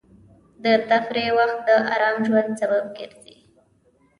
د تفریح وخت د ارام ژوند سبب ګرځي.